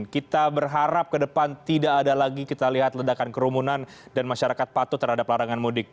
kita berharap ke depan tidak ada lagi kita lihat ledakan kerumunan dan masyarakat patuh terhadap larangan mudik